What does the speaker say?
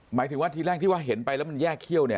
หมายถึงว่าทีแรกที่ว่าเห็นไปแล้วมันแยกเขี้ยวเนี่ย